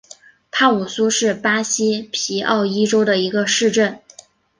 帕武苏是巴西皮奥伊州的一个市镇。